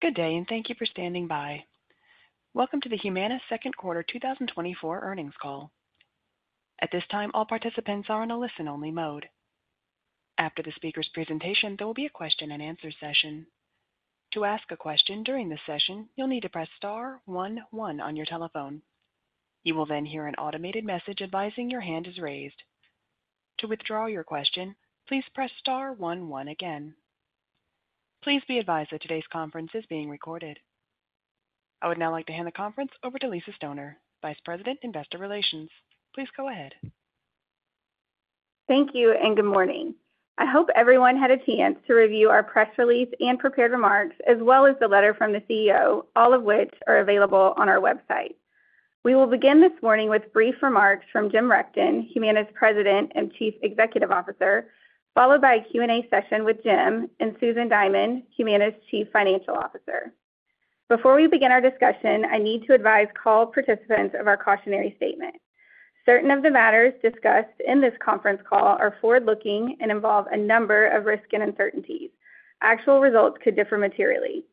Good day, and thank you for standing by. Welcome to the Humana second quarter 2024 earnings call. At this time, all participants are in a listen-only mode. After the speaker's presentation, there will be a question-and-answer session. To ask a question during this session, you'll need to press star one one on your telephone. You will then hear an automated message advising your hand is raised. To withdraw your question, please press star one one again. Please be advised that today's conference is being recorded. I would now like to hand the conference over to Lisa Stoner, Vice President, Investor Relations. Please go ahead. Thank you, and good morning. I hope everyone had a chance to review our press release and prepared remarks, as well as the letter from the CEO, all of which are available on our website. We will begin this morning with brief remarks from Jim Rechtin, Humana's President and Chief Executive Officer, followed by a Q&A session with Jim and Susan Diamond, Humana's Chief Financial Officer. Before we begin our discussion, I need to advise call participants of our cautionary statement. Certain of the matters discussed in this conference call are forward-looking and involve a number of risks and uncertainties. Actual results could differ materially.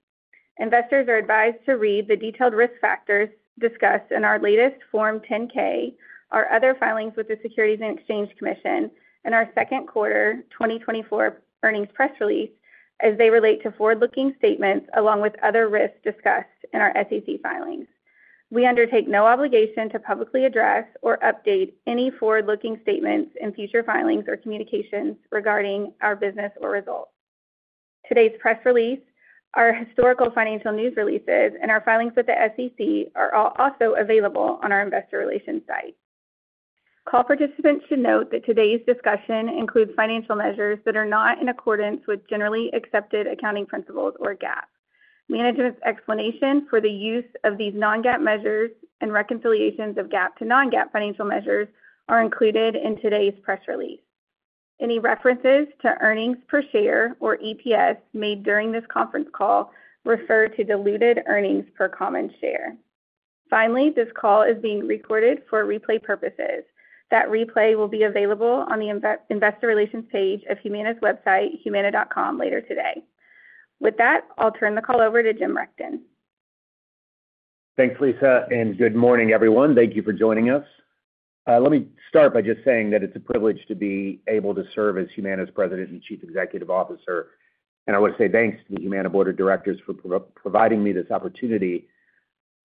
Investors are advised to read the detailed risk factors discussed in our latest Form 10-K, our other filings with the Securities and Exchange Commission, and our Second Quarter 2024 earnings press release as they relate to forward-looking statements along with other risks discussed in our SEC filings. We undertake no obligation to publicly address or update any forward-looking statements in future filings or communications regarding our business or results. Today's press release, our historical financial news releases, and our filings with the SEC are also available on our Investor Relations site. Call participants should note that today's discussion includes financial measures that are not in accordance with generally accepted accounting principles or GAAP. Management's explanation for the use of these non-GAAP measures and reconciliations of GAAP to non-GAAP financial measures are included in today's press release. Any references to earnings per share or EPS made during this conference call refer to diluted earnings per common share. Finally, this call is being recorded for replay purposes. That replay will be available on the Investor Relations page of Humana's website, humana.com, later today. With that, I'll turn the call over to Jim Rechtin. Thanks, Lisa, and good morning, everyone. Thank you for joining us. Let me start by just saying that it's a privilege to be able to serve as Humana's President and Chief Executive Officer, and I want to say thanks to the Humana Board of Directors for providing me this opportunity.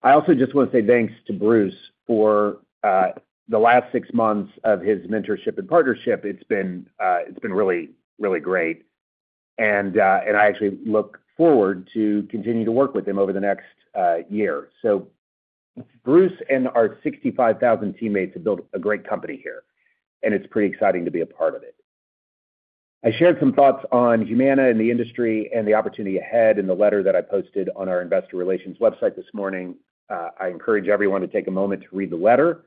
I also just want to say thanks to Bruce for the last six months of his mentorship and partnership. It's been really, really great, and I actually look forward to continuing to work with him over the next year. So Bruce and our 65,000 teammates have built a great company here, and it's pretty exciting to be a part of it. I shared some thoughts on Humana and the industry and the opportunity ahead in the letter that I posted on our Investor Relations website this morning. I encourage everyone to take a moment to read the letter.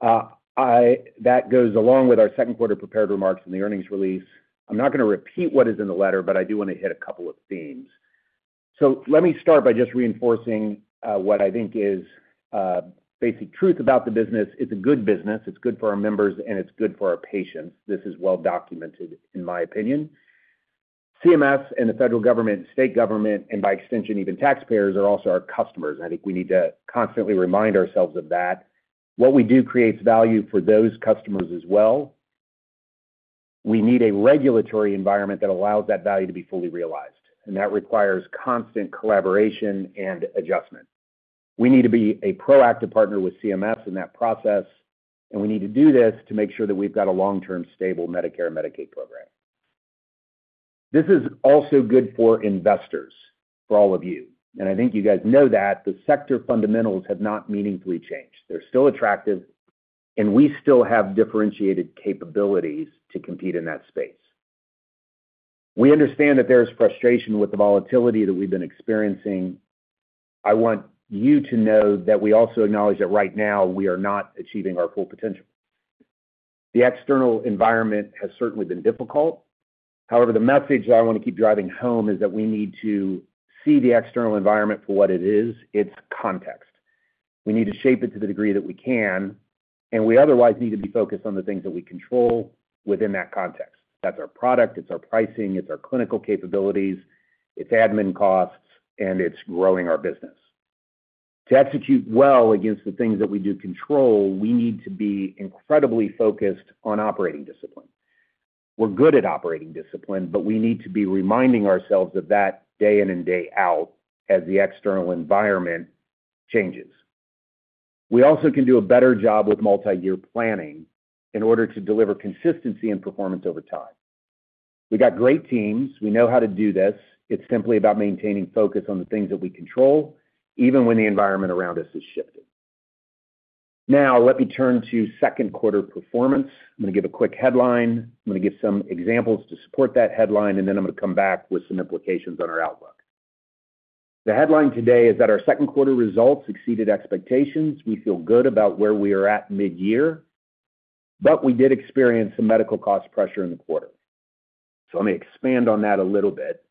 That goes along with our second quarter prepared remarks and the earnings release. I'm not going to repeat what is in the letter, but I do want to hit a couple of themes. So let me start by just reinforcing what I think is basic truth about the business. It's a good business. It's good for our members, and it's good for our patients. This is well documented, in my opinion. CMS and the federal government, state government, and by extension, even taxpayers are also our customers, and I think we need to constantly remind ourselves of that. What we do creates value for those customers as well. We need a regulatory environment that allows that value to be fully realized, and that requires constant collaboration and adjustment. We need to be a proactive partner with CMS in that process, and we need to do this to make sure that we've got a long-term, stable Medicare and Medicaid program. This is also good for investors, for all of you, and I think you guys know that. The sector fundamentals have not meaningfully changed. They're still attractive, and we still have differentiated capabilities to compete in that space. We understand that there is frustration with the volatility that we've been experiencing. I want you to know that we also acknowledge that right now we are not achieving our full potential. The external environment has certainly been difficult. However, the message that I want to keep driving home is that we need to see the external environment for what it is. It's context. We need to shape it to the degree that we can, and we otherwise need to be focused on the things that we control within that context. That's our product. It's our pricing. It's our clinical capabilities. It's admin costs, and it's growing our business. To execute well against the things that we do control, we need to be incredibly focused on operating discipline. We're good at operating discipline, but we need to be reminding ourselves of that day in and day out as the external environment changes. We also can do a better job with multi-year planning in order to deliver consistency and performance over time. We've got great teams. We know how to do this. It's simply about maintaining focus on the things that we control, even when the environment around us is shifting. Now, let me turn to second quarter performance. I'm going to give a quick headline. I'm going to give some examples to support that headline, and then I'm going to come back with some implications on our outlook. The headline today is that our second quarter results exceeded expectations. We feel good about where we are at mid-year, but we did experience some medical cost pressure in the quarter. So let me expand on that a little bit.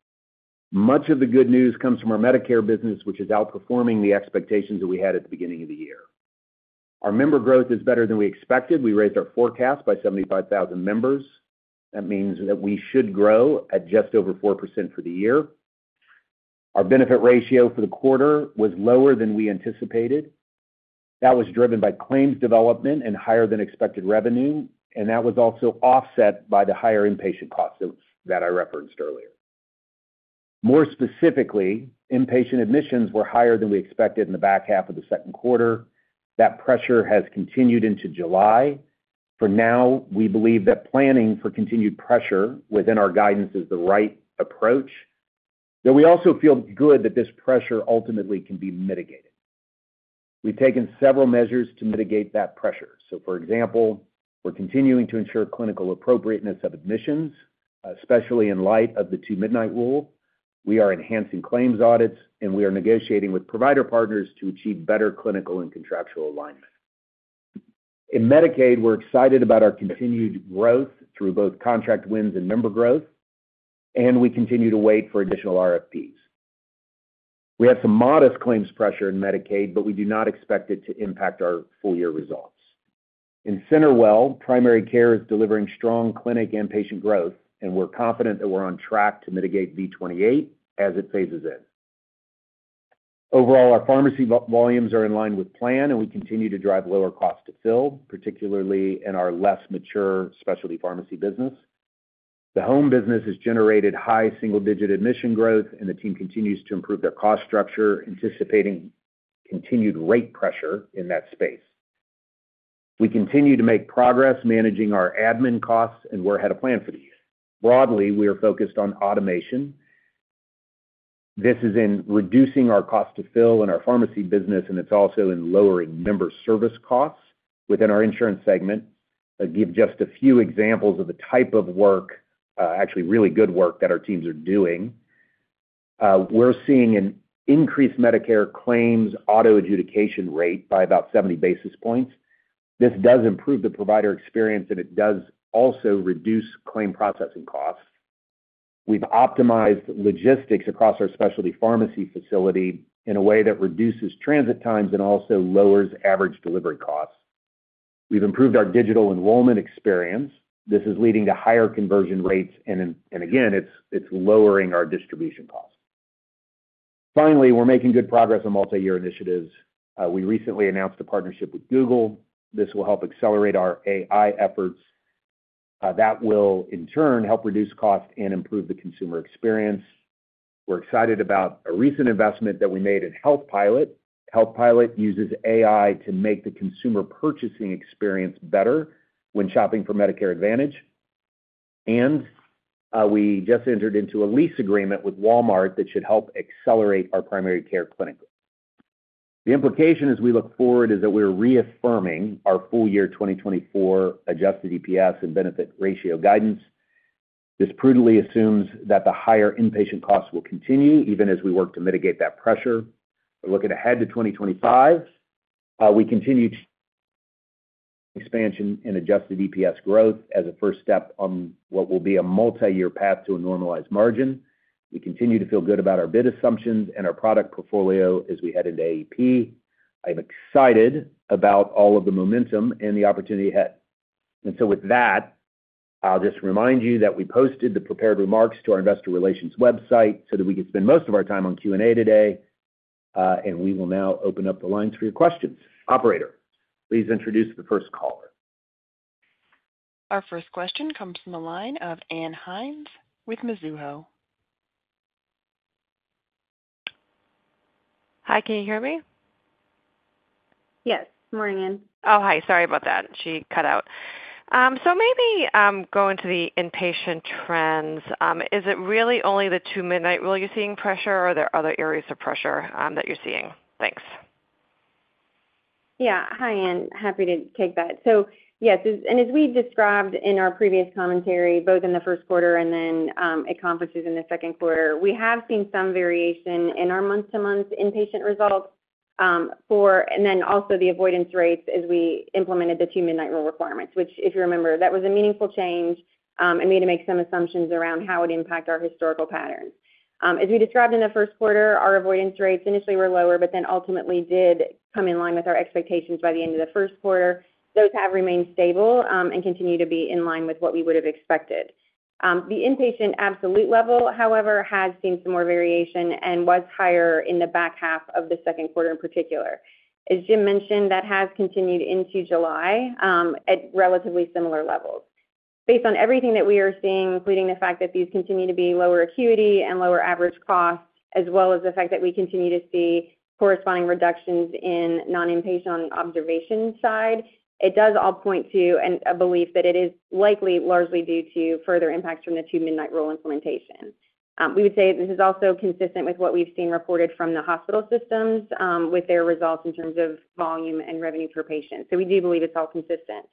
Much of the good news comes from our Medicare business, which is outperforming the expectations that we had at the beginning of the year. Our member growth is better than we expected. We raised our forecast by 75,000 members. That means that we should grow at just over 4% for the year. Our benefit ratio for the quarter was lower than we anticipated. That was driven by claims development and higher than expected revenue, and that was also offset by the higher inpatient costs that I referenced earlier. More specifically, inpatient admissions were higher than we expected in the back half of the second quarter. That pressure has continued into July. For now, we believe that planning for continued pressure within our guidance is the right approach, though we also feel good that this pressure ultimately can be mitigated. We've taken several measures to mitigate that pressure. So, for example, we're continuing to ensure clinical appropriateness of admissions, especially in light of the Two-Midnight Rule. We are enhancing claims audits, and we are negotiating with provider partners to achieve better clinical and contractual alignment. In Medicaid, we're excited about our continued growth through both contract wins and member growth, and we continue to wait for additional RFPs. We have some modest claims pressure in Medicaid, but we do not expect it to impact our full-year results. In CenterWell, primary care is delivering strong clinic and patient growth, and we're confident that we're on track to mitigate V28 as it phases in. Overall, our pharmacy volumes are in line with plan, and we continue to drive lower cost to fill, particularly in our less mature specialty pharmacy business. The home business has generated high single-digit admission growth, and the team continues to improve their cost structure, anticipating continued rate pressure in that space. We continue to make progress managing our admin costs, and we're ahead of plan for the year. Broadly, we are focused on automation. This is in reducing our cost to fill in our pharmacy business, and it's also in lowering member service costs within our insurance segment. I'll give just a few examples of the type of work, actually really good work, that our teams are doing. We're seeing an increased Medicare claims auto adjudication rate by about 70 basis points. This does improve the provider experience, and it does also reduce claim processing costs. We've optimized logistics across our specialty pharmacy facility in a way that reduces transit times and also lowers average delivery costs. We've improved our digital enrollment experience. This is leading to higher conversion rates, and again, it's lowering our distribution costs. Finally, we're making good progress on multi-year initiatives. We recently announced a partnership with Google. This will help accelerate our AI efforts. That will, in turn, help reduce costs and improve the consumer experience. We're excited about a recent investment that we made in Healthpilot. Healthpilot uses AI to make the consumer purchasing experience better when shopping for Medicare Advantage, and we just entered into a lease agreement with Walmart that should help accelerate our primary care clinic. The implication, as we look forward, is that we're reaffirming our full-year 2024 Adjusted EPS and benefit ratio guidance. This prudently assumes that the higher inpatient costs will continue even as we work to mitigate that pressure. We're looking ahead to 2025. We continue to expand in Adjusted EPS growth as a first step on what will be a multi-year path to a normalized margin. We continue to feel good about our bid assumptions and our product portfolio as we head into AEP. I am excited about all of the momentum and the opportunity ahead. And so with that, I'll just remind you that we posted the prepared remarks to our Investor Relations website so that we could spend most of our time on Q&A today, and we will now open up the lines for your questions. Operator, introduce the first caller. Our first question comes from the line of Ann Hynes with Mizuho. Hi, can you hear me? Yes. Good morning, Ann. Oh, hi. Sorry about that. She cut out. So maybe going to the inpatient trends, is it really only the Two-Midnight Rule you're seeing pressure, or are there other areas of pressure that you're seeing? Thanks. Yeah. Hi, Ann. Happy to take that. So yes, and as we described in our previous commentary, both in the first quarter and then at conferences in the second quarter, we have seen some variation in our month-to-month inpatient results for, and then also the avoidance rates as we implemented the Two-Midnight Rule requirements, which, if you remember, that was a meaningful change, and we had to make some assumptions around how it impacted our historical patterns. As we described in the first quarter, our avoidance rates initially were lower, but then ultimately did come in line with our expectations by the end of the first quarter. Those have remained stable and continue to be in line with what we would have expected. The inpatient absolute level, however, has seen some more variation and was higher in the back half of the second quarter in particular. As Jim mentioned, that has continued into July at relatively similar levels. Based on everything that we are seeing, including the fact that these continue to be lower acuity and lower average costs, as well as the fact that we continue to see corresponding reductions in non-inpatient on observation side, it does all point to a belief that it is likely largely due to further impacts from the Two-Midnight Rule implementation. We would say this is also consistent with what we've seen reported from the hospital systems with their results in terms of volume and revenue per patient. We do believe it's all consistent.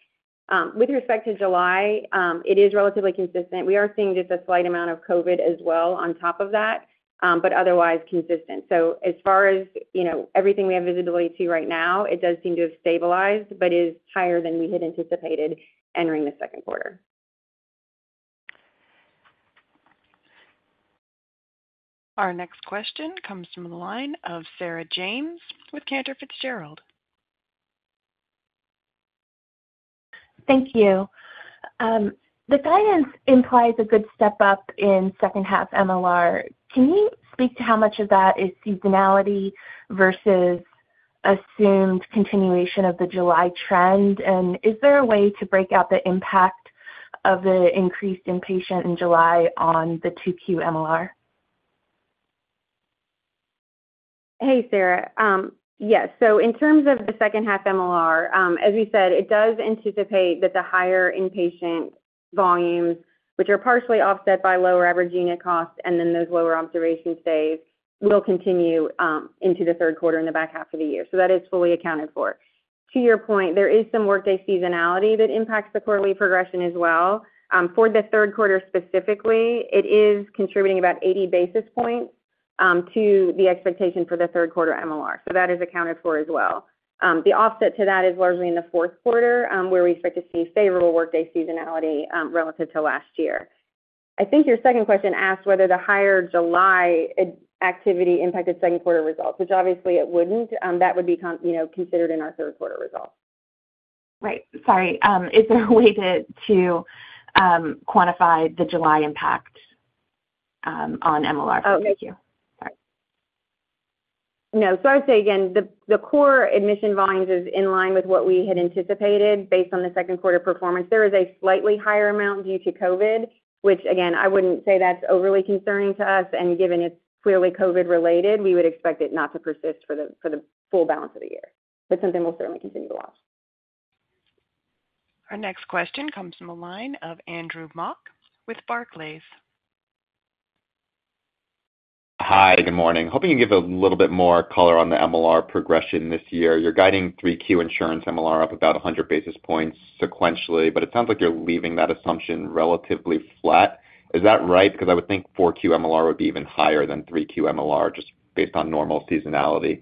With respect to July, it is relatively consistent. We are seeing just a slight amount of COVID as well on top of that, but otherwise consistent. As far as everything we have visibility to right now, it does seem to have stabilized, but is higher than we had anticipated entering the second quarter. Our next question comes from the line of Sarah James with Cantor Fitzgerald. Thank you. The guidance implies a good step up in second half MLR. Can you speak to how much of that is seasonality versus assumed continuation of the July trend, and is there a way to break out the impact of the increased inpatient in July on the 2Q MLR? Hey, Sarah. Yes. So in terms of the second half MLR, as we said, it does anticipate that the higher inpatient volumes, which are partially offset by lower average unit costs and then those lower observation stays, will continue into the third quarter in the back half of the year. So that is fully accounted for. To your point, there is some workday seasonality that impacts the quarterly progression as well. For the third quarter specifically, it is contributing about 80 basis points to the expectation for the third quarter MLR. So that is accounted for as well. The offset to that is largely in the fourth quarter, where we expect to see favorable workday seasonality relative to last year. I think your second question asked whether the higher July activity impacted second quarter results, which obviously it wouldn't. That would be considered in our third quarter results. Right. Sorry. Is there a way to quantify the July impact on MLR? Oh, thank you. Sorry. No. So I would say, again, the core admission volumes is in line with what we had anticipated based on the second quarter performance. There is a slightly higher amount due to COVID, which, again, I wouldn't say that's overly concerning to us. And given it's clearly COVID-related, we would expect it not to persist for the full balance of the year, but something we'll certainly continue to watch. Our next question comes from the line of Andrew Mok with Barclays. Hi, good morning. Hoping you can give a little bit more color on the MLR progression this year. You're guiding 3Q insurance MLR up about 100 basis points sequentially, but it sounds like you're leaving that assumption relatively flat. Is that right? Because I would think 4Q MLR would be even higher than 3Q MLR just based on normal seasonality.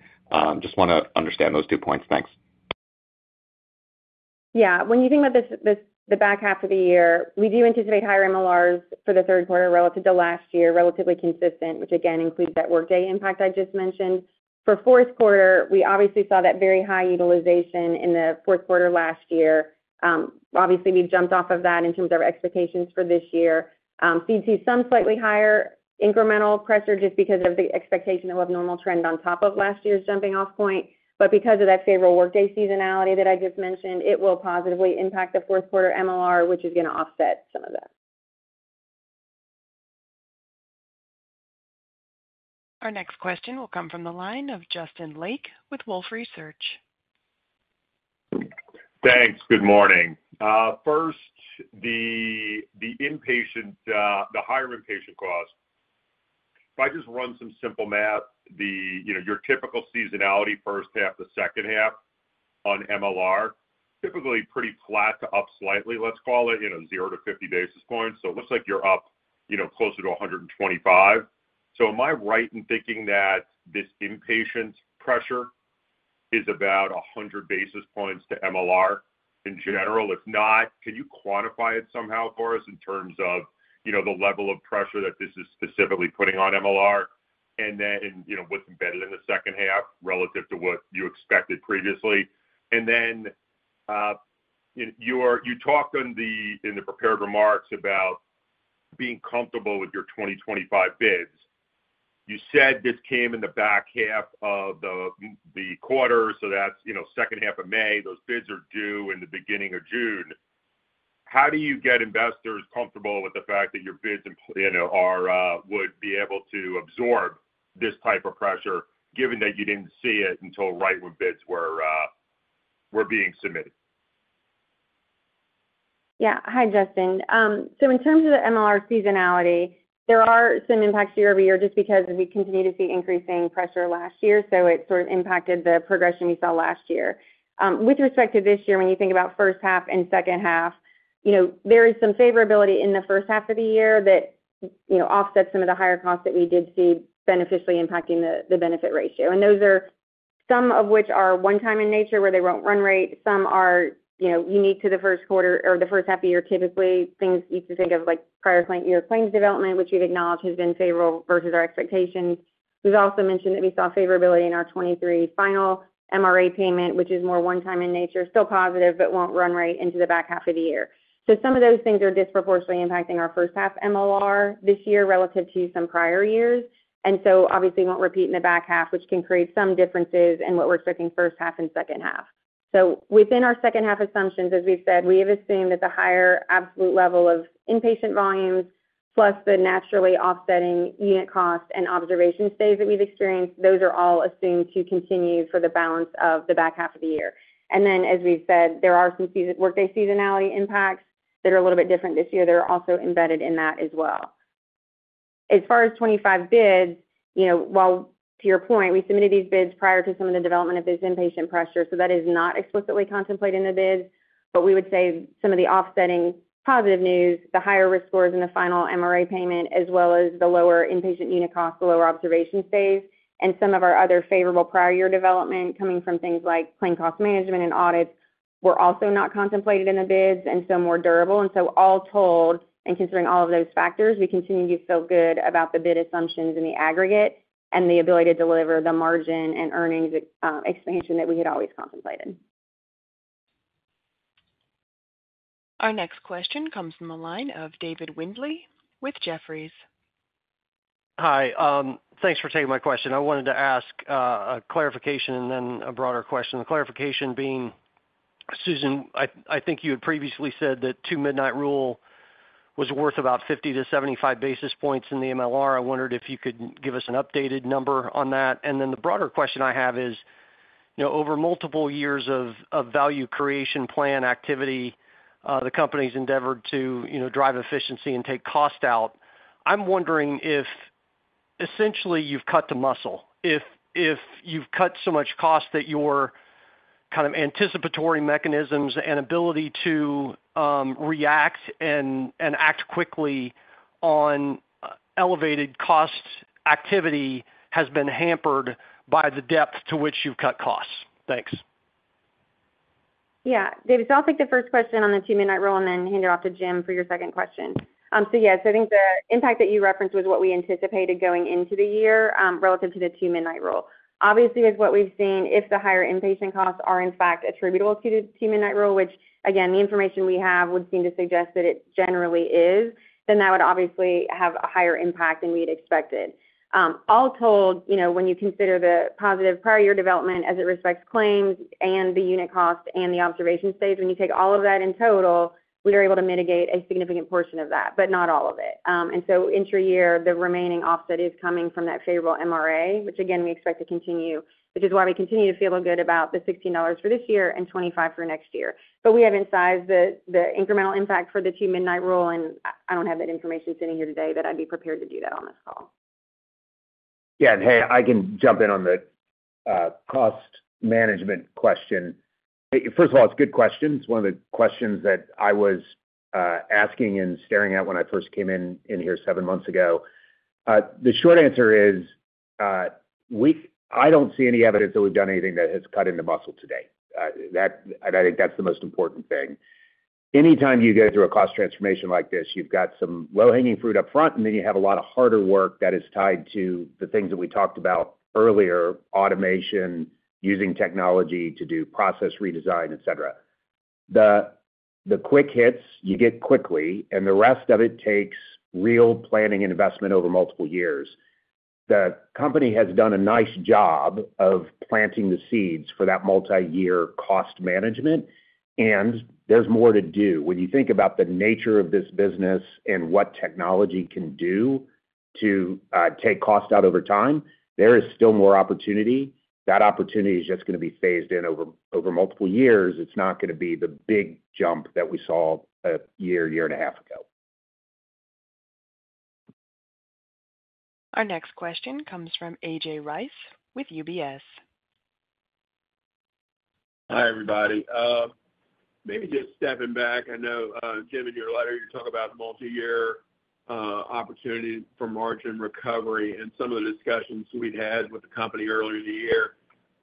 Just want to understand those two points. Thanks. Yeah. When you think about the back half of the year, we do anticipate higher MLRs for the third quarter relative to last year, relatively consistent, which again includes that workday impact I just mentioned. For fourth quarter, we obviously saw that very high utilization in the fourth quarter last year. Obviously, we jumped off of that in terms of our expectations for this year. Seemed to some slightly higher incremental pressure just because of the expectation of abnormal trend on top of last year's jumping-off point. But because of that favorable workday seasonality that I just mentioned, it will positively impact the fourth quarter MLR, which is going to offset some of that. Our next question will come from the line of Justin Lake with Wolfe Research. Thanks. Good morning. First, the higher inpatient costs. If I just run some simple math, your typical seasonality first half to second half on MLR, typically pretty flat to up slightly, let's call it 0-50 basis points. So it looks like you're up closer to 125. So am I right in thinking that this inpatient pressure is about 100 basis points to MLR in general? If not, can you quantify it somehow for us in terms of the level of pressure that this is specifically putting on MLR, and then what's embedded in the second half relative to what you expected previously? And then you talked in the prepared remarks about being comfortable with your 2025 bids. You said this came in the back half of the quarter, so that's second half of May. Those bids are due in the beginning of June. How do you get investors comfortable with the fact that your bids would be able to absorb this type of pressure, given that you didn't see it until right when bids were being submitted? Yeah. Hi, Justin. So in terms of the MLR seasonality, there are some impacts year-over-year just because we continue to see increasing pressure last year, so it sort of impacted the progression we saw last year. With respect to this year, when you think about first half and second half, there is some favorability in the first half of the year that offsets some of the higher costs that we did see beneficially impacting the benefit ratio. And those are some of which are one-time in nature where they won't run rate. Some are unique to the first quarter or the first half of the year. Typically, things you could think of like prior year claims development, which we've acknowledged has been favorable versus our expectations. We've also mentioned that we saw favorability in our 2023 final MRA payment, which is more one-time in nature, still positive, but won't run rate into the back half of the year. So some of those things are disproportionately impacting our first half MLR this year relative to some prior years. And so obviously, we won't repeat in the back half, which can create some differences in what we're expecting first half and second half. So within our second half assumptions, as we've said, we have assumed that the higher absolute level of inpatient volumes plus the naturally offsetting unit cost and observation stays that we've experienced, those are all assumed to continue for the balance of the back half of the year. And then, as we've said, there are some workday seasonality impacts that are a little bit different this year that are also embedded in that as well. As far as 2025 bids, while to your point, we submitted these bids prior to some of the development of this inpatient pressure, so that is not explicitly contemplated in the bids. But we would say some of the offsetting positive news, the higher risk scores in the final MRA payment, as well as the lower inpatient unit cost, the lower observation stays, and some of our other favorable prior year development coming from things like claim cost management and audits were also not contemplated in the bids, and so more durable. And so all told, and considering all of those factors, we continue to feel good about the bid assumptions in the aggregate and the ability to deliver the margin and earnings expansion that we had always contemplated. Our next question comes from the line of David Windley with Jefferies. Hi. Thanks for taking my question. I wanted to ask a clarification and then a broader question. The clarification being, Susan, I think you had previously said that Two-Midnight Rule was worth about 50-75 basis points in the MLR. I wondered if you could give us an updated number on that. And then the broader question I have is, over multiple years of value creation plan activity, the company's endeavored to drive efficiency and take cost out. I'm wondering if essentially you've cut the muscle. If you've cut so much cost that your kind of anticipatory mechanisms and ability to react and act quickly on elevated cost activity has been hampered by the depth to which you've cut costs. Thanks. Yeah. David, so I'll take the first question on the Two-Midnight Rule and then hand it off to Jim for your second question. So yes, I think the impact that you referenced was what we anticipated going into the year relative to the Two-Midnight Rule. Obviously, with what we've seen, if the higher inpatient costs are in fact attributable to the Two-Midnight Rule, which, again, the information we have would seem to suggest that it generally is, then that would obviously have a higher impact than we had expected. All told, when you consider the positive prior year development as it respects claims and the unit cost and the observation stays, when you take all of that in total, we are able to mitigate a significant portion of that, but not all of it. So intra-year, the remaining offset is coming from that favorable MRA, which, again, we expect to continue, which is why we continue to feel good about the $16 for this year and $25 for next year. But we have priced the incremental impact for the Two-Midnight Rule, and I don't have that information sitting here today that I'd be prepared to do that on this call. Yeah. And hey, I can jump in on the cost management question. First of all, it's a good question. It's one of the questions that I was asking and staring at when I first came in here seven months ago. The short answer is I don't see any evidence that we've done anything that has cut into muscle today. And I think that's the most important thing. Anytime you go through a cost transformation like this, you've got some low-hanging fruit up front, and then you have a lot of harder work that is tied to the things that we talked about earlier, automation, using technology to do process redesign, etc. The quick hits you get quickly, and the rest of it takes real planning and investment over multiple years. The company has done a nice job of planting the seeds for that multi-year cost management, and there's more to do. When you think about the nature of this business and what technology can do to take cost out over time, there is still more opportunity. That opportunity is just going to be phased in over multiple years. It's not going to be the big jump that we saw a year, year and a half ago. Our next question comes from A.J. Rice with UBS. Hi, everybody. Maybe just stepping back, I know, Jim, in your letter, you talk about the multi-year opportunity for margin recovery and some of the discussions we'd had with the company earlier in the year.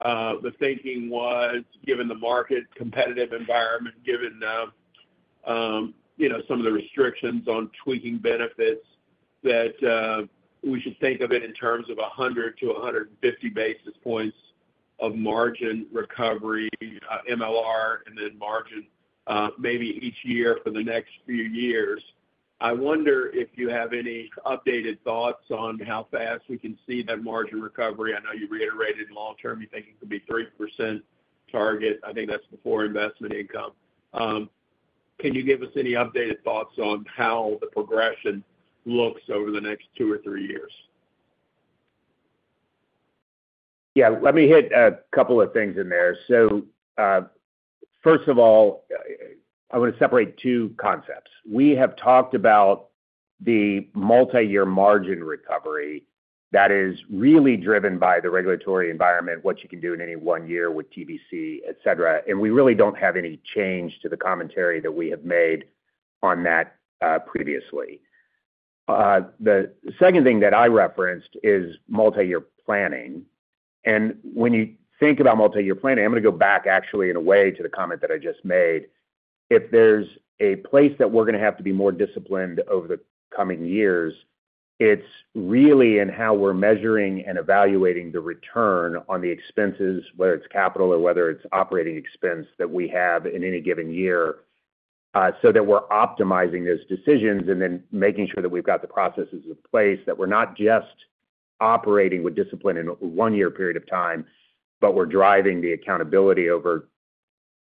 The thinking was, given the market competitive environment, given some of the restrictions on tweaking benefits, that we should think of it in terms of 100-150 basis points of margin recovery, MLR, and then margin maybe each year for the next few years. I wonder if you have any updated thoughts on how fast we can see that margin recovery. I know you reiterated long-term, you think it could be 3% target. I think that's before investment income. Can you give us any updated thoughts on how the progression looks over the next two or three years? Yeah. Let me hit a couple of things in there. First of all, I want to separate two concepts. We have talked about the multi-year margin recovery that is really driven by the regulatory environment, what you can do in any one year with TBC, etc. We really don't have any change to the commentary that we have made on that previously. The second thing that I referenced is multi-year planning. When you think about multi-year planning, I'm going to go back actually in a way to the comment that I just made. If there's a place that we're going to have to be more disciplined over the coming years, it's really in how we're measuring and evaluating the return on the expenses, whether it's capital or whether it's operating expense that we have in any given year, so that we're optimizing those decisions and then making sure that we've got the processes in place that we're not just operating with discipline in one year period of time, but we're driving the accountability over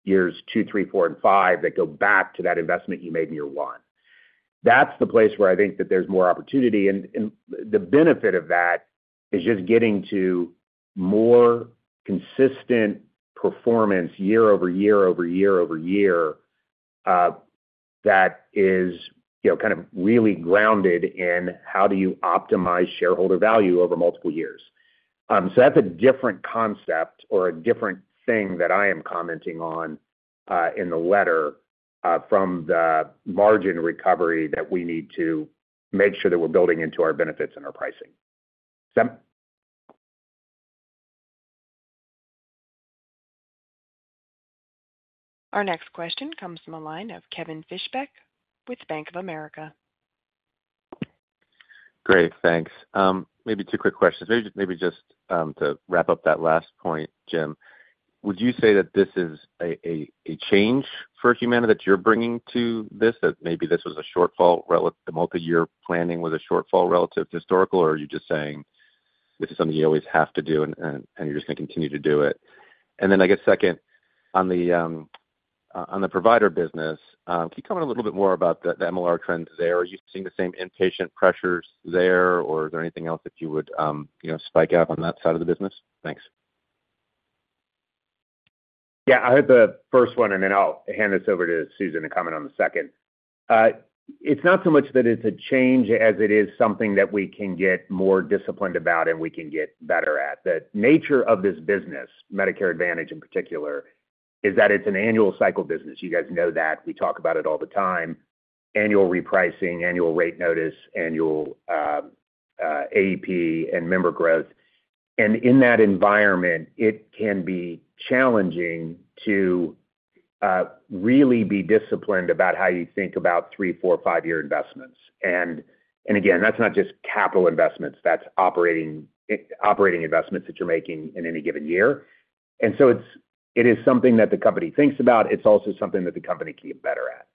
years two, three, four, and five that go back to that investment you made in year one. That's the place where I think that there's more opportunity. The benefit of that is just getting to more consistent performance year over year over year over year that is kind of really grounded in how do you optimize shareholder value over multiple years. That's a different concept or a different thing that I am commenting on in the letter from the margin recovery that we need to make sure that we're building into our benefits and our pricing. Our next question comes from a line of Kevin Fischbeck with Bank of America. Great. Thanks. Maybe two quick questions. Maybe just to wrap up that last point, Jim, would you say that this is a change for Humana that you're bringing to this, that maybe this was a shortfall, the multi-year planning was a shortfall relative to historical, or are you just saying this is something you always have to do and you're just going to continue to do it? And then I guess second, on the provider business, can you comment a little bit more about the MLR trends there? Are you seeing the same inpatient pressures there, or is there anything else that you would spike out on that side of the business? Thanks. Yeah. I heard the first one, and then I'll hand this over to Susan to comment on the second. It's not so much that it's a change as it is something that we can get more disciplined about and we can get better at. The nature of this business, Medicare Advantage in particular, is that it's an annual cycle business. You guys know that. We talk about it all the time. Annual repricing, annual rate notice, annual AEP, and member growth. And in that environment, it can be challenging to really be disciplined about how you think about three, four, five-year investments. And again, that's not just capital investments. That's operating investments that you're making in any given year. And so it is something that the company thinks about. It's also something that the company can get better at.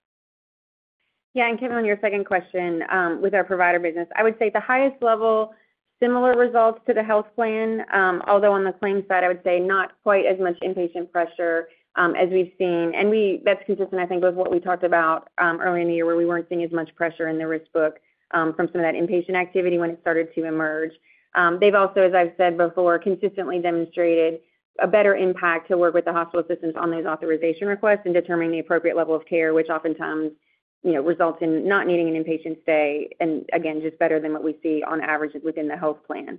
Yeah. Kevin, on your second question with our provider business, I would say the highest level, similar results to the health plan, although on the claim side, I would say not quite as much inpatient pressure as we've seen. And that's consistent, I think, with what we talked about earlier in the year where we weren't seeing as much pressure in the risk book from some of that inpatient activity when it started to emerge. They've also, as I've said before, consistently demonstrated a better impact to work with the hospital systems on those authorization requests and determining the appropriate level of care, which oftentimes results in not needing an inpatient stay and, again, just better than what we see on average within the health plan.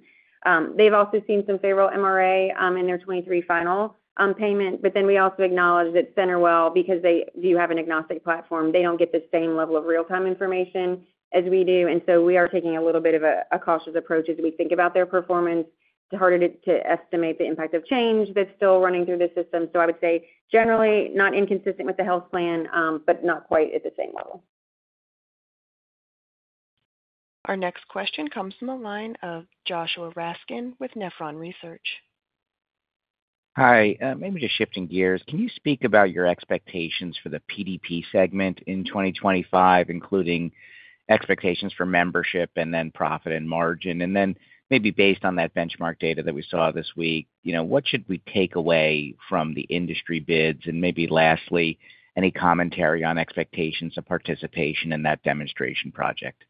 They've also seen some favorable MRA in their 2023 final payment. But then we also acknowledge that CenterWell, because they do have an agnostic platform, they don't get the same level of real-time information as we do. So we are taking a little bit of a cautious approach as we think about their performance. It's harder to estimate the impact of change that's still running through the system. I would say, generally, not inconsistent with the health plan, but not quite at the same level. Our next question comes from a line of Joshua Raskin with Nephron Research. Hi. Maybe just shifting gears, can you speak about your expectations for the PDP segment in 2025, including expectations for membership and then profit and margin? And then maybe based on that benchmark data that we saw this week, what should we take away from the industry bids? And maybe lastly, any commentary on expectations of participation in that demonstration project?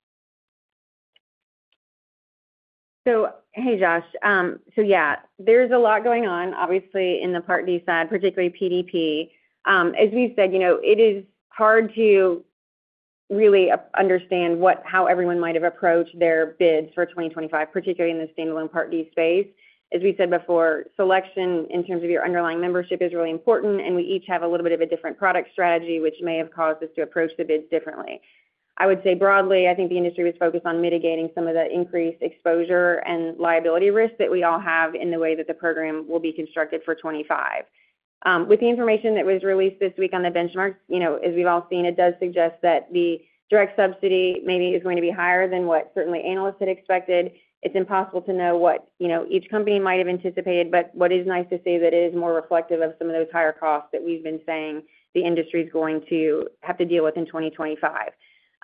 So hey, Josh. So yeah, there's a lot going on, obviously, in the Part D side, particularly PDP. As we said, it is hard to really understand how everyone might have approached their bids for 2025, particularly in the standalone Part D space. As we said before, selection in terms of your underlying membership is really important, and we each have a little bit of a different product strategy, which may have caused us to approach the bids differently. I would say broadly, I think the industry was focused on mitigating some of the increased exposure and liability risk that we all have in the way that the program will be constructed for 2025. With the information that was released this week on the benchmarks, as we've all seen, it does suggest that the direct subsidy maybe is going to be higher than what certainly analysts had expected. It's impossible to know what each company might have anticipated, but what is nice to see that it is more reflective of some of those higher costs that we've been saying the industry is going to have to deal with in 2025.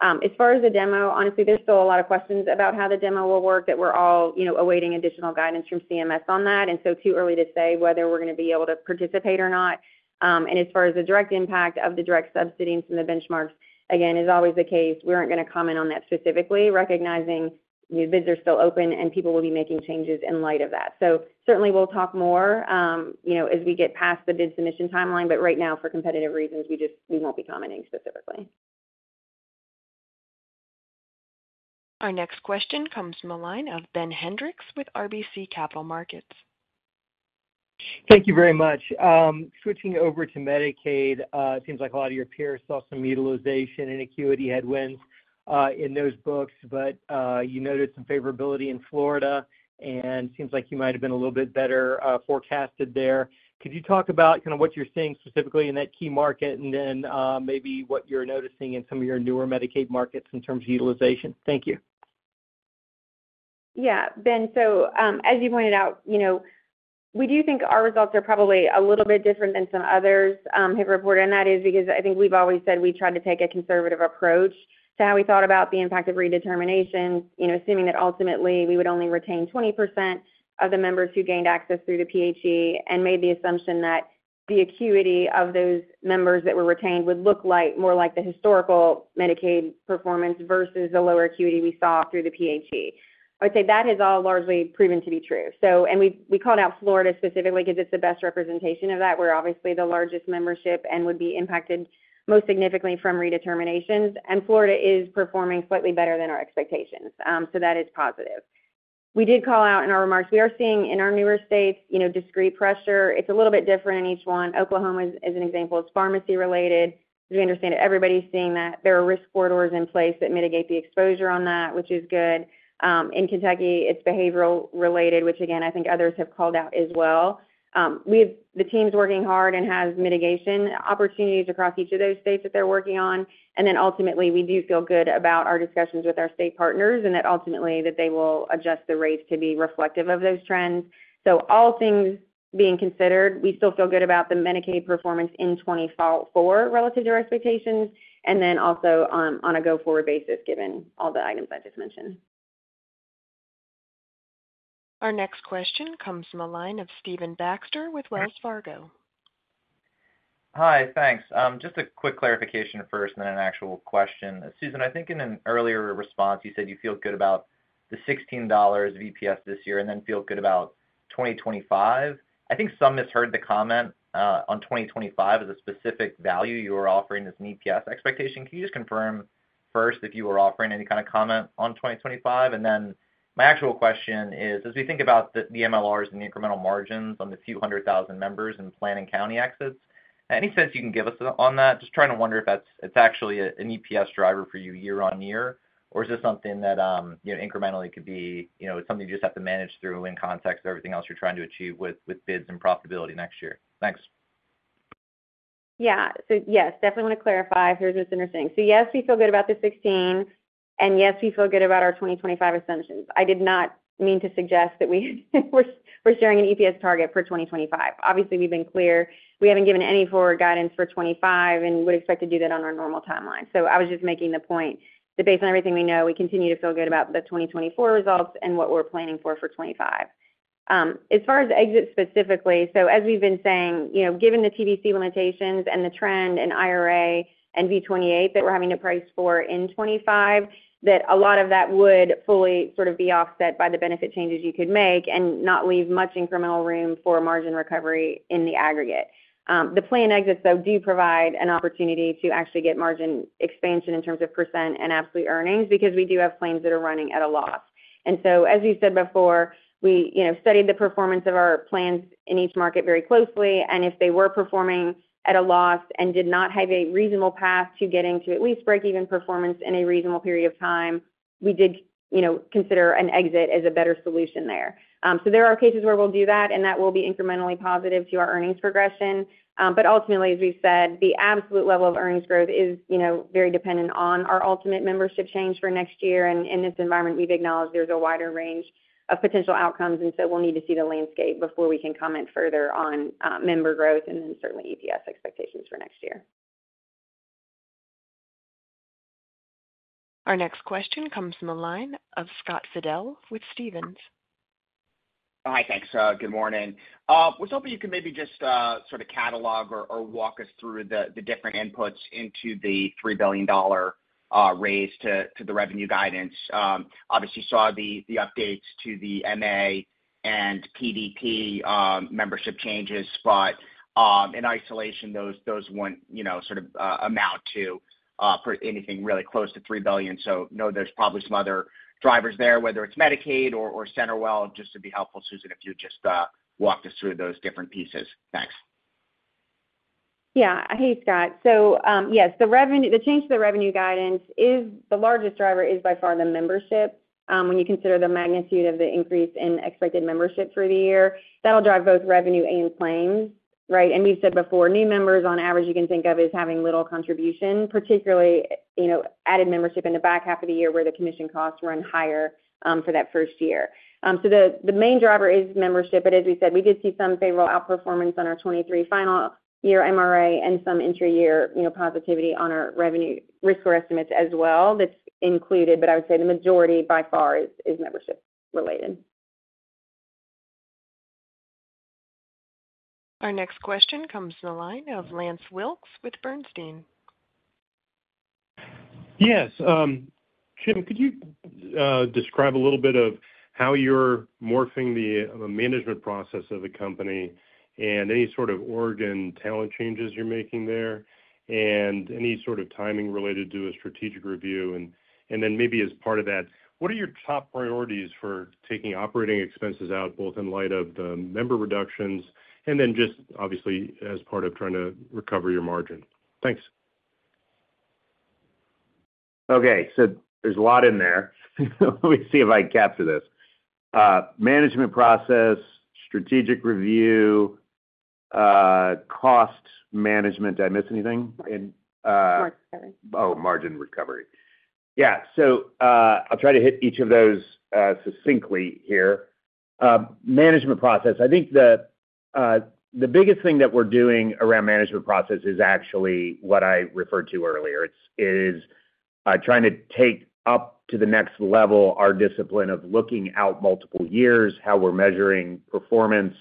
As far as the demo, honestly, there's still a lot of questions about how the demo will work that we're all awaiting additional guidance from CMS on that. And so too early to say whether we're going to be able to participate or not. And as far as the direct impact of the direct subsidies from the benchmarks, again, is always the case. We aren't going to comment on that specifically, recognizing bids are still open and people will be making changes in light of that. Certainly, we'll talk more as we get past the bid submission timeline, but right now, for competitive reasons, we won't be commenting specifically. Our next question comes from a line of Ben Hendrix with RBC Capital Markets. Thank you very much. Switching over to Medicaid, it seems like a lot of your peers saw some utilization and acuity headwinds in those books, but you noted some favorability in Florida, and it seems like you might have been a little bit better forecasted there. Could you talk about kind of what you're seeing specifically in that key market and then maybe what you're noticing in some of your newer Medicaid markets in terms of utilization? Thank you. Yeah. Ben, so as you pointed out, we do think our results are probably a little bit different than some others have reported. And that is because I think we've always said we tried to take a conservative approach to how we thought about the impact of redetermination, assuming that ultimately we would only retain 20% of the members who gained access through the PHE and made the assumption that the acuity of those members that were retained would look more like the historical Medicaid performance versus the lower acuity we saw through the PHE. I would say that has all largely proven to be true. And we called out Florida specifically because it's the best representation of that. We're obviously the largest membership and would be impacted most significantly from redeterminations. And Florida is performing slightly better than our expectations. So that is positive. We did call out in our remarks, we are seeing in our newer states discrete pressure. It's a little bit different in each one. Oklahoma is an example. It's pharmacy-related. As we understand it, everybody's seeing that. There are risk corridors in place that mitigate the exposure on that, which is good. In Kentucky, it's behavioral-related, which again, I think others have called out as well. The team's working hard and has mitigation opportunities across each of those states that they're working on. And then ultimately, we do feel good about our discussions with our state partners and that ultimately that they will adjust the rates to be reflective of those trends. So all things being considered, we still feel good about the Medicaid performance in 2024 relative to our expectations and then also on a go-forward basis given all the items I just mentioned. Our next question comes from a line of Stephen Baxter with Wells Fargo. Hi. Thanks. Just a quick clarification first, and then an actual question. Susan, I think in an earlier response, you said you feel good about the $16 of EPS this year and then feel good about 2025. I think some misheard the comment on 2025 as a specific value you were offering as an EPS expectation. Can you just confirm first if you were offering any kind of comment on 2025? And then my actual question is, as we think about the MLRs and the incremental margins on the few hundred thousand members and planning county exits, any sense you can give us on that? Just trying to wonder if it's actually an EPS driver for you year-on-year, or is this something that incrementally could be something you just have to manage through in context of everything else you're trying to achieve with bids and profitability next year? Thanks. Yeah. So yes, definitely want to clarify. Here's what's interesting. So yes, we feel good about the 2024, and yes, we feel good about our 2025 assumptions. I did not mean to suggest that we're sharing an EPS target for 2025. Obviously, we've been clear. We haven't given any forward guidance for 2025 and would expect to do that on our normal timeline. So I was just making the point that based on everything we know, we continue to feel good about the 2024 results and what we're planning for 2025. As far as exits specifically, so as we've been saying, given the TBC limitations and the trend in IRA and V28 that we're having to price for in 2025, that a lot of that would fully sort of be offset by the benefit changes you could make and not leave much incremental room for margin recovery in the aggregate. The planned exits, though, do provide an opportunity to actually get margin expansion in terms of % and absolute earnings because we do have claims that are running at a loss. And so, as you said before, we studied the performance of our plans in each market very closely. And if they were performing at a loss and did not have a reasonable path to getting to at least break-even performance in a reasonable period of time, we did consider an exit as a better solution there. There are cases where we'll do that, and that will be incrementally positive to our earnings progression. But ultimately, as we've said, the absolute level of earnings growth is very dependent on our ultimate membership change for next year. In this environment, we've acknowledged there's a wider range of potential outcomes, and so we'll need to see the landscape before we can comment further on member growth and then certainly EPS expectations for next year. Our next question comes from a line of Scott Fidel with Stephens. Hi, thanks. Good morning. I was hoping you could maybe just sort of catalog or walk us through the different inputs into the $3 billion raise to the revenue guidance? Obviously, you saw the updates to the MA and PDP membership changes, but in isolation, those wouldn't sort of amount to anything really close to $3 billion. So no, there's probably some other drivers there, whether it's Medicaid or CenterWell. Just to be helpful, Susan, if you'd just walk us through those different pieces? Thanks. Yeah. Hey, Scott. So yes, the change to the revenue guidance, the largest driver is by far the membership. When you consider the magnitude of the increase in expected membership for the year, that'll drive both revenue and claims, right? And we've said before, new members on average you can think of as having little contribution, particularly added membership in the back half of the year where the commission costs run higher for that first year. So the main driver is membership. But as we said, we did see some favorable outperformance on our 2023 final year MRA and some intra-year positivity on our risk score estimates as well that's included. But I would say the majority by far is membership-related. Our next question comes from a line of Lance Wilkes with Bernstein. Yes. Jim, could you describe a little bit of how you're morphing the management process of a company and any sort of organizational talent changes you're making there and any sort of timing related to a strategic review? And then maybe as part of that, what are your top priorities for taking operating expenses out both in light of the member reductions and then just obviously as part of trying to recover your margin? Thanks. Okay. So there's a lot in there. Let me see if I can capture this. Management process, strategic review, cost management. Did I miss anything? Margin recovery. Oh, margin recovery. Yeah. So I'll try to hit each of those succinctly here. Management process. I think the biggest thing that we're doing around the management process is actually what I referred to earlier. It is trying to take up to the next level our discipline of looking out multiple years, how we're measuring performance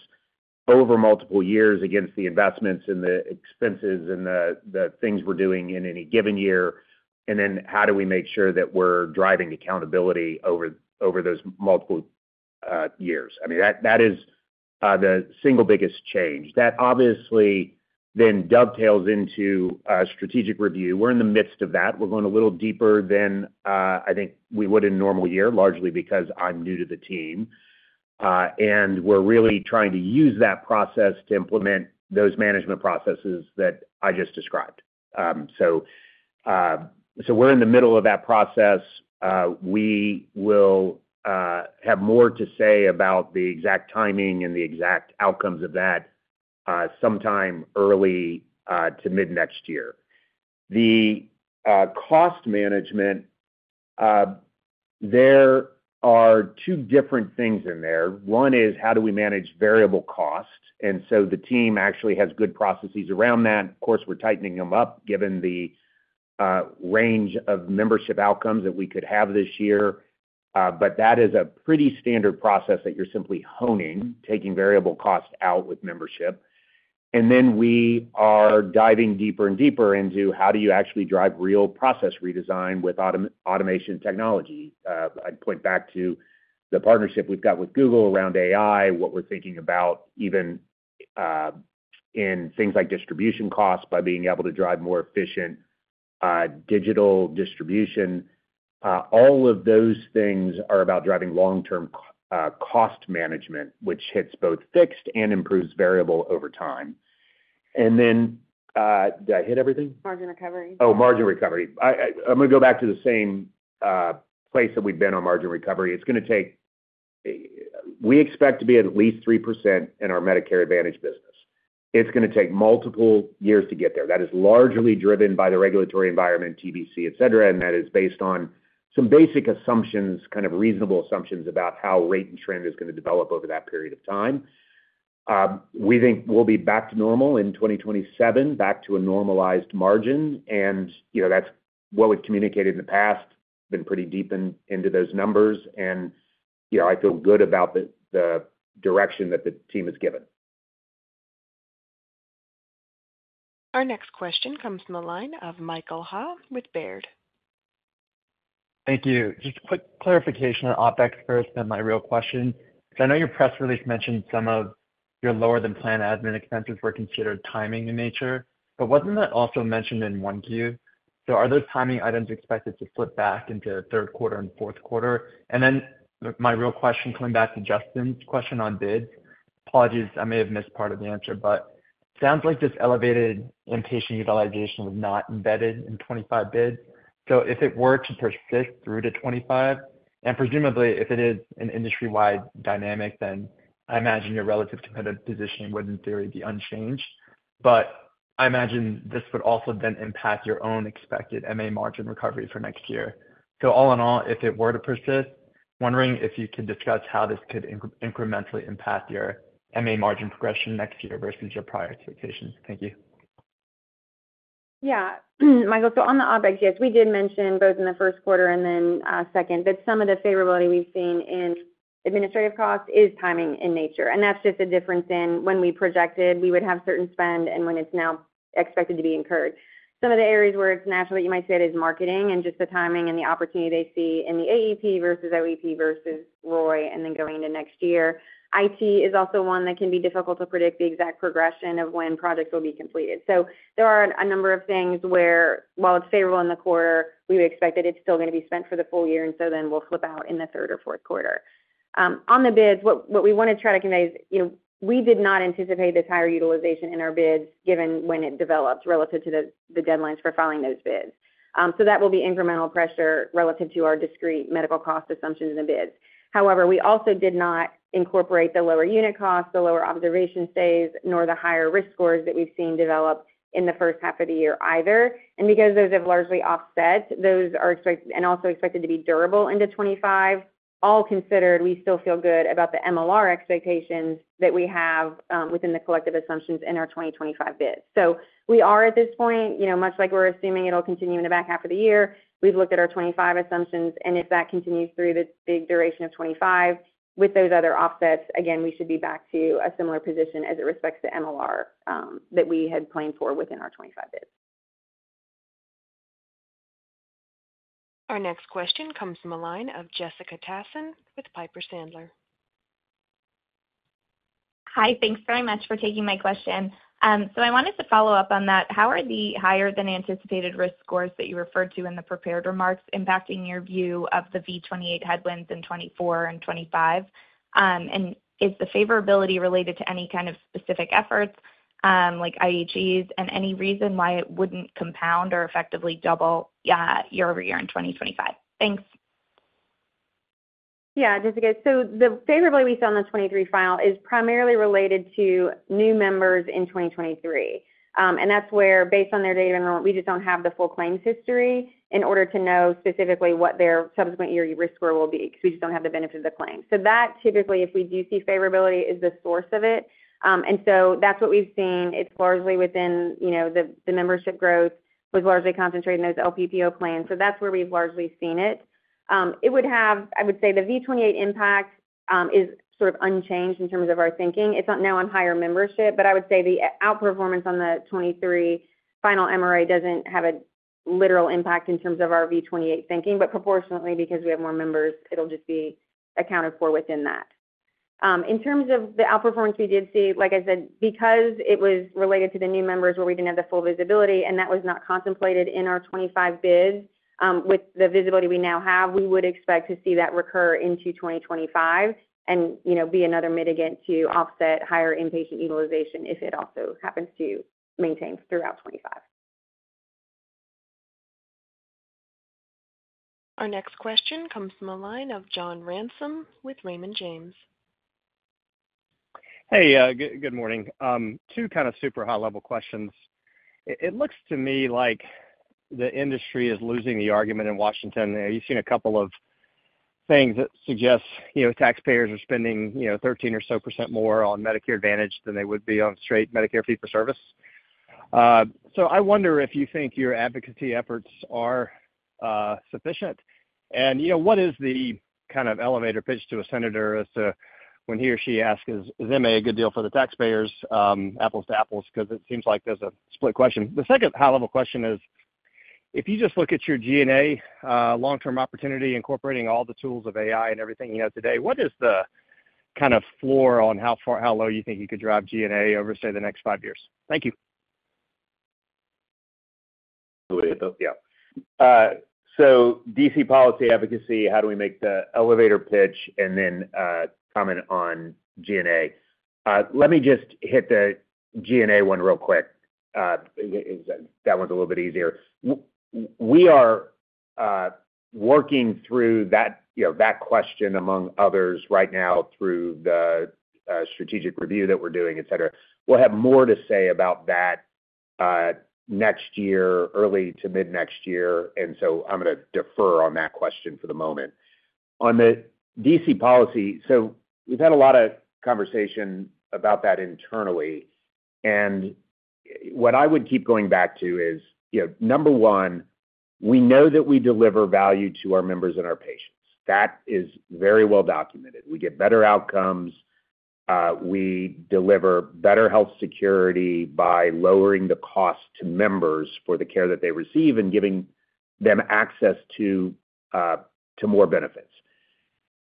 over multiple years against the investments and the expenses and the things we're doing in any given year. And then how do we make sure that we're driving accountability over those multiple years? I mean, that is the single biggest change. That obviously then dovetails into a strategic review. We're in the midst of that. We're going a little deeper than I think we would in a normal year, largely because I'm new to the team. And we're really trying to use that process to implement those management processes that I just described. So we're in the middle of that process. We will have more to say about the exact timing and the exact outcomes of that sometime early to mid-next year. The cost management, there are two different things in there. One is how do we manage variable costs? And so the team actually has good processes around that. Of course, we're tightening them up given the range of membership outcomes that we could have this year. But that is a pretty standard process that you're simply honing, taking variable costs out with membership. And then we are diving deeper and deeper into how do you actually drive real process redesign with automation technology. I'd point back to the partnership we've got with Google around AI, what we're thinking about even in things like distribution costs by being able to drive more efficient digital distribution. All of those things are about driving long-term cost management, which hits both fixed and improves variable over time. And then did I hit everything? Margin recovery. Oh, margin recovery. I'm going to go back to the same place that we've been on margin recovery. It's going to take, we expect, to be at least 3% in our Medicare Advantage business. It's going to take multiple years to get there. That is largely driven by the regulatory environment, TBC, etc., and that is based on some basic assumptions, kind of reasonable assumptions about how rate and trend is going to develop over that period of time. We think we'll be back to normal in 2027, back to a normalized margin. That's what we've communicated in the past, been pretty deep into those numbers. I feel good about the direction that the team has given. Our next question comes from a line of Michael Ha with Baird. Thank you. Just a quick clarification on OpEx first and then my real question. So I know your press release mentioned some of your lower-than-plan admin expenses were considered timing in nature, but wasn't that also mentioned in 1Q? So are those timing items expected to slip back into third quarter and fourth quarter? And then my real question coming back to Justin's question on bids. Apologies, I may have missed part of the answer, but it sounds like this elevated inpatient utilization was not embedded in 2025 bids. So if it were to persist through to 2025, and presumably if it is an industry-wide dynamic, then I imagine your relative competitive position would, in theory, be unchanged. But I imagine this would also then impact your own expected MA margin recovery for next year. All in all, if it were to persist, wondering if you could discuss how this could incrementally impact your MA margin progression next year versus your prior expectations? Thank you. Yeah. Michael, so on the OpEx, yes, we did mention both in the first quarter and then second that some of the favorability we've seen in administrative costs is timing in nature. That's just a difference in when we projected we would have certain spending and when it's now expected to be incurred. Some of the areas where it's natural that you might see it is marketing and just the timing and the opportunity they see in the AEP versus OEP versus ROI and then going into next year. IT is also one that can be difficult to predict the exact progression of when projects will be completed. There are a number of things where, while it's favorable in the quarter, we would expect that it's still going to be spent for the full year, and so then we'll slip out in the third or fourth quarter. On the bids, what we want to try to convey is we did not anticipate this higher utilization in our bids given when it developed relative to the deadlines for filing those bids. So that will be incremental pressure relative to our discrete medical cost assumptions in the bids. However, we also did not incorporate the lower unit costs, the lower observation stays, nor the higher risk scores that we've seen develop in the first half of the year either. And because those have largely offset, those are expected and also expected to be durable into 2025. All considered, we still feel good about the MLR expectations that we have within the collective assumptions in our 2025 bids. So we are at this point, much like we're assuming it'll continue in the back half of the year, we've looked at our 2025 assumptions, and if that continues through the bid duration of 2025, with those other offsets, again, we should be back to a similar position as it respects the MLR that we had planned for within our 2025 bids. Our next question comes from a line of Jessica Tassan with Piper Sandler. Hi. Thanks very much for taking my question. I wanted to follow up on that. How are the higher-than-anticipated risk scores that you referred to in the prepared remarks impacting your view of the V28 headwinds in 2024 and 2025? And is the favorability related to any kind of specific efforts like IHEs and any reason why it wouldn't compound or effectively double year over year in 2025? Thanks. Yeah, Jessica. So the favorability we saw in the 2023 file is primarily related to new members in 2023. And that's where, based on their date of enrollment, we just don't have the full claims history in order to know specifically what their subsequent year risk score will be because we just don't have the benefit of the claim. So that, typically, if we do see favorability, is the source of it. And so that's what we've seen. It's largely within the membership growth was largely concentrated in those LPPO plans. So that's where we've largely seen it. It would have, I would say, the V28 impact is sort of unchanged in terms of our thinking. It's not now on higher membership, but I would say the outperformance on the 2023 final MRA doesn't have a literal impact in terms of our V28 thinking. But proportionately, because we have more members, it'll just be accounted for within that. In terms of the outperformance we did see, like I said, because it was related to the new members where we didn't have the full visibility, and that was not contemplated in our 2025 bids, with the visibility we now have, we would expect to see that recur into 2025 and be another mitigant to offset higher inpatient utilization if it also happens to maintain throughout 2025. Our next question comes from a line of John Ransom with Raymond James. Hey, good morning. Two kind of super high-level questions. It looks to me like the industry is losing the argument in Washington. You've seen a couple of things that suggest taxpayers are spending 13% or so more on Medicare Advantage than they would be on straight Medicare fee-for-service. So I wonder if you think your advocacy efforts are sufficient. And what is the kind of elevator pitch to a senator when he or she asks, "Is MA a good deal for the taxpayers?" Apples to apples because it seems like there's a split question. The second high-level question is, if you just look at your G&A long-term opportunity, incorporating all the tools of AI and everything you know today, what is the kind of floor on how low you think you could drive G&A over, say, the next five years? Thank you. Absolutely. Yeah. So D.C. policy advocacy, how do we make the elevator pitch and then comment on G&A? Let me just hit the G&A one real quick. That one's a little bit easier. We are working through that question among others right now through the strategic review that we're doing, etc. We'll have more to say about that next year, early to mid-next year. And so I'm going to defer on that question for the moment. On the D.C. policy, so we've had a lot of conversation about that internally. And what I would keep going back to is, number one, we know that we deliver value to our members and our patients. That is very well documented. We get better outcomes. We deliver better health security by lowering the cost to members for the care that they receive and giving them access to more benefits.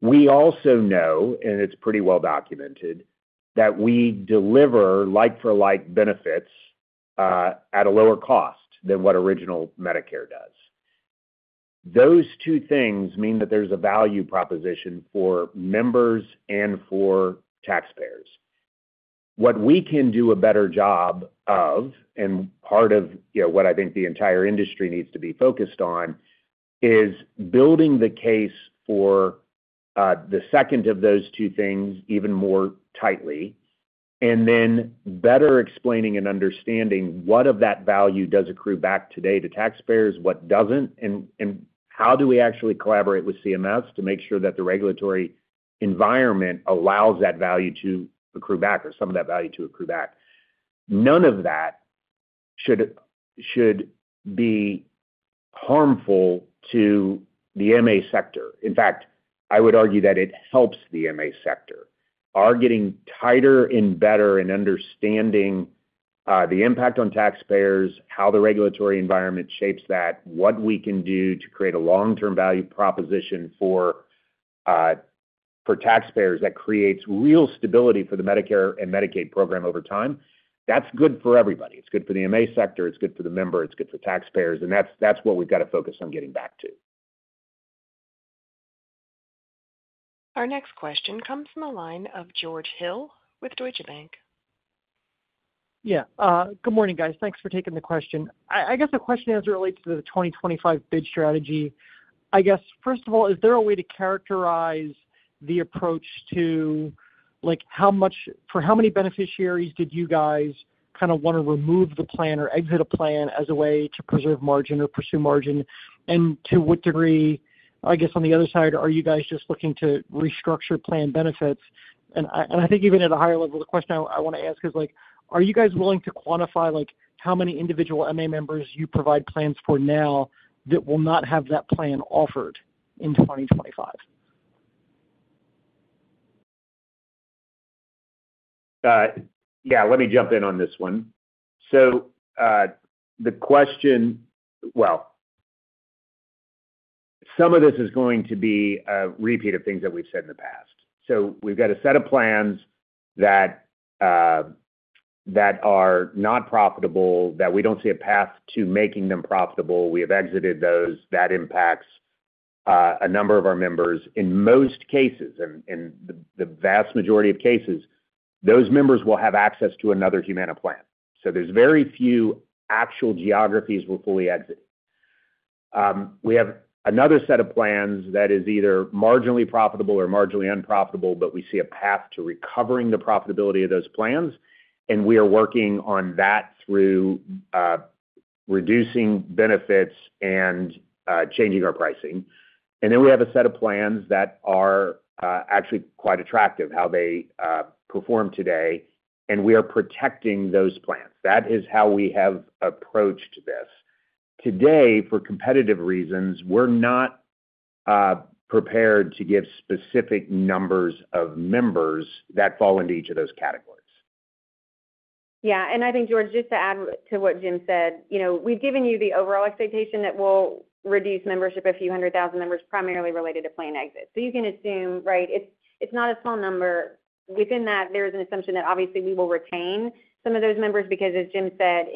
We also know, and it's pretty well documented, that we deliver like-for-like benefits at a lower cost than what original Medicare does. Those two things mean that there's a value proposition for members and for taxpayers. What we can do a better job of, and part of what I think the entire industry needs to be focused on, is building the case for the second of those two things even more tightly, and then better explaining and understanding what of that value does accrue back today to taxpayers, what doesn't, and how do we actually collaborate with CMS to make sure that the regulatory environment allows that value to accrue back or some of that value to accrue back. None of that should be harmful to the MA sector. In fact, I would argue that it helps the MA sector. Are getting tighter and better in understanding the impact on taxpayers, how the regulatory environment shapes that, what we can do to create a long-term value proposition for taxpayers that creates real stability for the Medicare and Medicaid program over time. That's good for everybody. It's good for the MA sector. It's good for the member. It's good for taxpayers. And that's what we've got to focus on getting back to. Our next question comes from a line of George Hill with Deutsche Bank. Yeah. Good morning, guys. Thanks for taking the question. I guess the question as it relates to the 2025 bid strategy, I guess, first of all, is there a way to characterize the approach to how many beneficiaries did you guys kind of want to remove the plan or exit a plan as a way to preserve margin or pursue margin? And to what degree, I guess, on the other side, are you guys just looking to restructure plan benefits? And I think even at a higher level, the question I want to ask is, are you guys willing to quantify how many individual MA members you provide plans for now that will not have that plan offered in 2025? Yeah. Let me jump in on this one. So the question, well, some of this is going to be a repeat of things that we've said in the past. So we've got a set of plans that are not profitable, that we don't see a path to making them profitable. We have exited those. That impacts a number of our members. In most cases, in the vast majority of cases, those members will have access to another Humana plan. So there's very few actual geographies we're fully exiting. We have another set of plans that is either marginally profitable or marginally unprofitable, but we see a path to recovering the profitability of those plans. And we are working on that through reducing benefits and changing our pricing. And then we have a set of plans that are actually quite attractive, how they perform today. And we are protecting those plans. That is how we have approached this. Today, for competitive reasons, we're not prepared to give specific numbers of members that fall into each of those categories. Yeah. And I think, George, just to add to what Jim said, we've given you the overall expectation that we'll reduce membership a few hundred thousand members primarily related to plan exit. So you can assume, right? It's not a small number. Within that, there is an assumption that obviously we will retain some of those members because, as Jim said,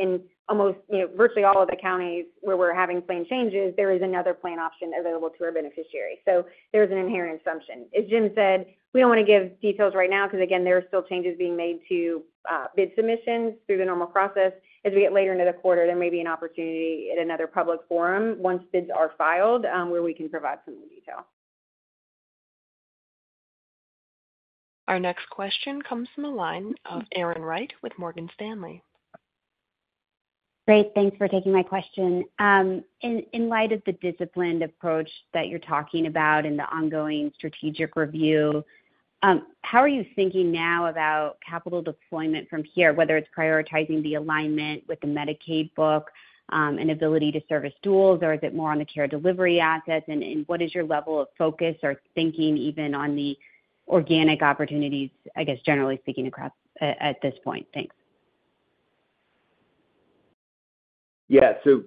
in virtually all of the counties where we're having plan changes, there is another plan option available to our beneficiaries. So there's an inherent assumption. As Jim said, we don't want to give details right now because, again, there are still changes being made to bid submissions through the normal process. As we get later into the quarter, there may be an opportunity at another public forum once bids are filed where we can provide some more detail. Our next question comes from a line of Erin Wright with Morgan Stanley. Great. Thanks for taking my question. In light of the disciplined approach that you're talking about and the ongoing strategic review, how are you thinking now about capital deployment from here, whether it's prioritizing the alignment with the Medicaid book and ability to service duals, or is it more on the care delivery assets? And what is your level of focus or thinking even on the organic opportunities, I guess, generally speaking, at this point? Thanks. Yeah. So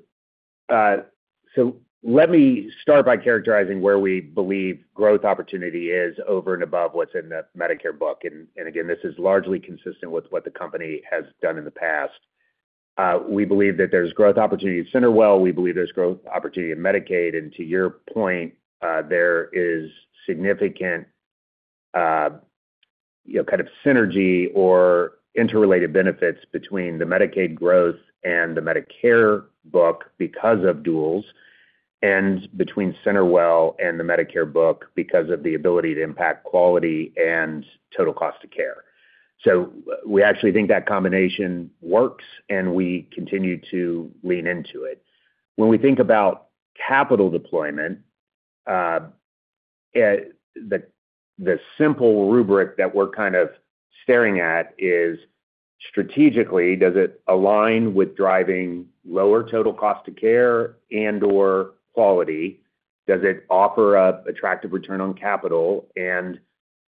let me start by characterizing where we believe growth opportunity is over and above what's in the Medicare book. And again, this is largely consistent with what the company has done in the past. We believe that there's growth opportunity at CenterWell. We believe there's growth opportunity in Medicaid. And to your point, there is significant kind of synergy or interrelated benefits between the Medicaid growth and the Medicare book because of duals and between CenterWell and the Medicare book because of the ability to impact quality and total cost of care. So we actually think that combination works, and we continue to lean into it. When we think about capital deployment, the simple rubric that we're kind of staring at is, strategically, does it align with driving lower total cost of care and/or quality? Does it offer an attractive return on capital?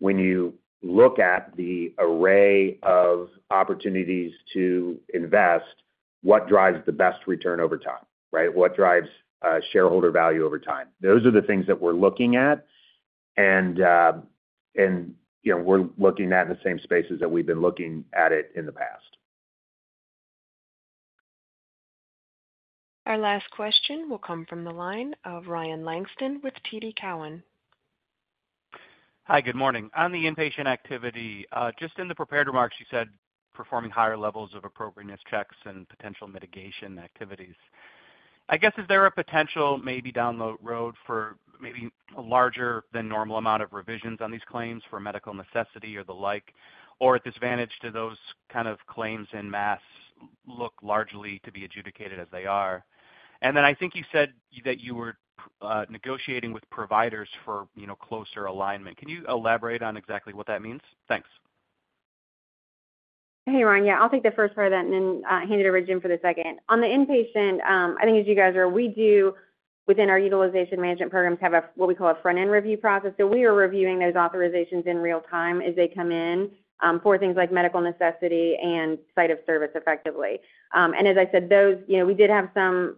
When you look at the array of opportunities to invest, what drives the best return over time, right? What drives shareholder value over time? Those are the things that we're looking at. We're looking at it in the same spaces that we've been looking at it in the past. Our last question will come from the line of Ryan Langston with TD Cowen. Hi, good morning. On the inpatient activity, just in the prepared remarks, you said performing higher levels of appropriateness checks and potential mitigation activities. I guess, is there a potential maybe down the road for maybe a larger-than-normal amount of revisions on these claims for medical necessity or the like, or at this vantage do those kind of claims en masse look largely to be adjudicated as they are? And then I think you said that you were negotiating with providers for closer alignment. Can you elaborate on exactly what that means? Thanks. Hey, Ryan. Yeah. I'll take the first part of that and then hand it over to Jim for the second. On the inpatient, I think, as you guys are, we do, within our utilization management programs, have what we call a front-end review process. So we are reviewing those authorizations in real time as they come in for things like medical necessity and site of service effectively. And as I said, we did have some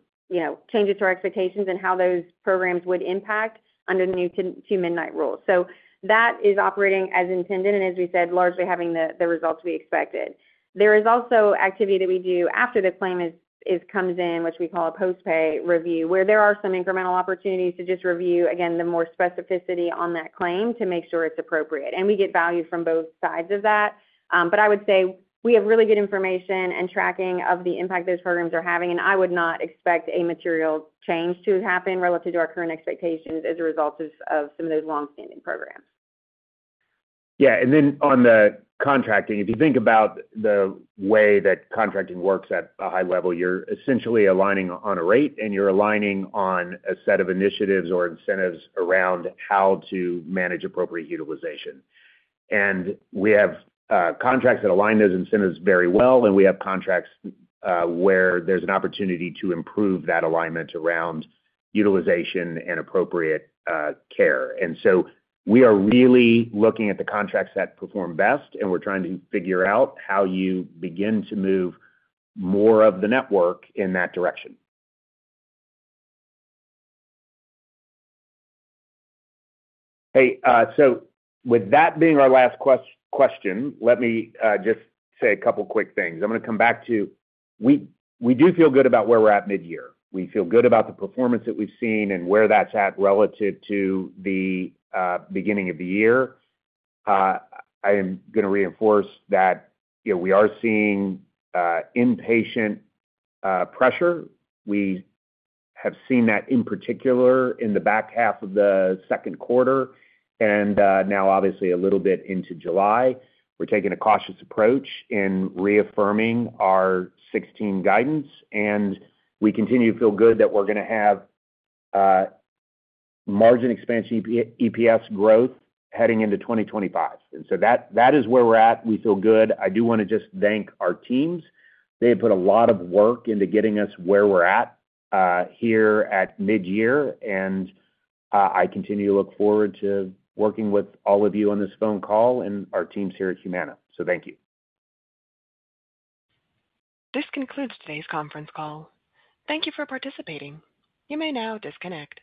changes to our expectations and how those programs would impact under the new Two-Midnight Rule. So that is operating as intended and, as we said, largely having the results we expected. There is also activity that we do after the claim comes in, which we call a post-pay review, where there are some incremental opportunities to just review, again, the more specificity on that claim to make sure it's appropriate. We get value from both sides of that. But I would say we have really good information and tracking of the impact those programs are having. I would not expect a material change to happen relative to our current expectations as a result of some of those long-standing programs. Yeah. And then on the contracting, if you think about the way that contracting works at a high level, you're essentially aligning on a rate, and you're aligning on a set of initiatives or incentives around how to manage appropriate utilization. We have contracts that align those incentives very well. We have contracts where there's an opportunity to improve that alignment around utilization and appropriate care. So we are really looking at the contracts that perform best. We're trying to figure out how you begin to move more of the network in that direction. Hey. With that being our last question, let me just say a couple of quick things. I'm going to come back to, we do feel good about where we're at mid-year. We feel good about the performance that we've seen and where that's at relative to the beginning of the year. I am going to reinforce that we are seeing inpatient pressure. We have seen that in particular in the back half of the second quarter and now, obviously, a little bit into July. We're taking a cautious approach in reaffirming our $16 guidance. We continue to feel good that we're going to have margin expansion EPS growth heading into 2025. That is where we're at. We feel good. I do want to just thank our teams. They have put a lot of work into getting us where we're at here at mid-year. I continue to look forward to working with all of you on this phone call and our teams here at Humana. Thank you. This concludes today's conference call. Thank you for participating. You may now disconnect.